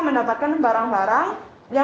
mendapatkan barang barang yang